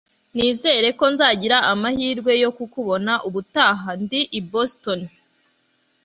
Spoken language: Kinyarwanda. nizere ko nzagira amahirwe yo kukubona ubutaha ndi i boston